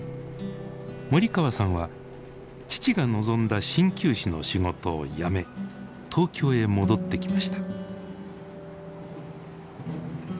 森川さんは父が望んだ鍼灸師の仕事を辞め東京へ戻ってきました。